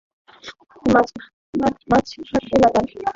মাছঘাট এলাকায় রাহাতসহ কয়েকজন তাকে কুপিয়ে জখম করেছে বলে জানা গেছে।